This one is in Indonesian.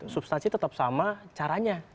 substansi tetap sama caranya